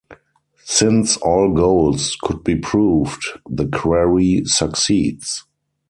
Since all goals could be proved, the query succeeds.